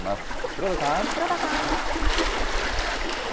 黒田さん。